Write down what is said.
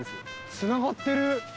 つながってる。